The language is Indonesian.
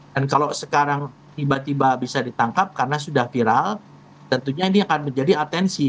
dan kalau sekarang tiba tiba bisa ditangkap karena sudah viral tentunya ini akan menjadi atensi